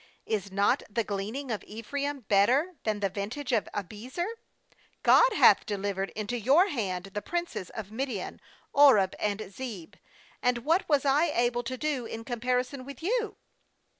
Is not the gleaning of Ephraim better than the vintage of Abiezer? 3God hath delivered into your hand the princes of Midian, Oreb and Zeeb; and what was I able to do in comparison with you?'